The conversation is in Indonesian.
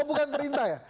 oh bukan perintah ya